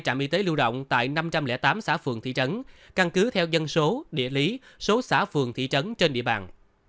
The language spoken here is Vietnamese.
trạm y tế lưu động tại năm trăm linh tám xã phường thị trấn căn cứ theo dân số địa lý số xã phường thị trấn trên địa bàn